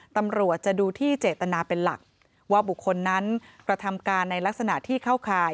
ตำรวจจะดูที่เจตนาเป็นหลักว่าบุคคลนั้นกระทำการในลักษณะที่เข้าข่าย